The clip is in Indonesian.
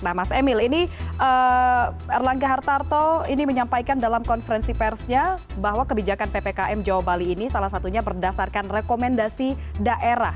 nah mas emil ini erlangga hartarto ini menyampaikan dalam konferensi persnya bahwa kebijakan ppkm jawa bali ini salah satunya berdasarkan rekomendasi daerah